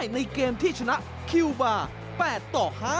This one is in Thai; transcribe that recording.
ในเกมที่ชนะคิวบาร์๘ต่อ๕